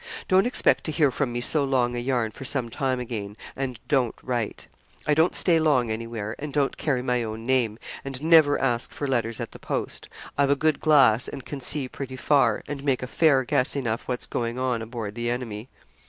'Don't expect to hear from me so long a yarn for some time again; and don't write. I don't stay long anywhere, and don't carry my own name and never ask for letters at the post. I've a good glass, and can see pretty far, and make a fair guess enough what's going on aboard the enemy.